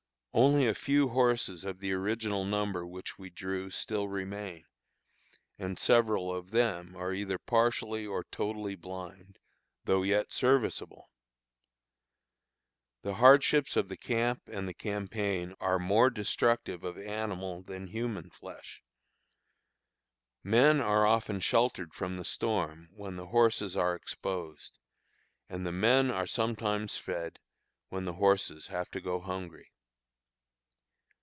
Only a few horses of the original number which we drew still remain, and several of them are either partially or totally blind, though yet serviceable. The hardships of the camp and the campaign are more destructive of animal than human flesh. Men are often sheltered from the storm when the horses are exposed, and the men are sometimes fed when the horses have to go hungry.